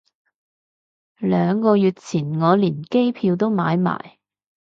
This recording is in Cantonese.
兩個月前我連機票都買埋